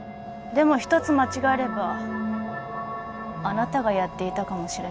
でも一つ間違えればあなたがやっていたかもしれない。